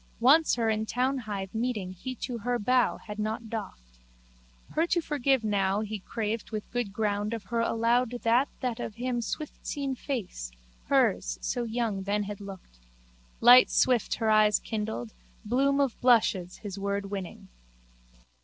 Once her in townhithe meeting he to her bow had not doffed. Her to forgive now he craved with good ground of her allowed that that of him swiftseen face, hers, so young then had looked. Light swift her eyes kindled, bloom of blushes his word winning.